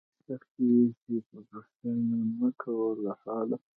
بغارې ډېرې سختې وې چې پوښتنه مکوه له حاله.